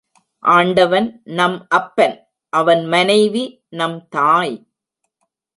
ஆண்டவன் நம் அப்பன் அவன் மனைவி நம் தாய்.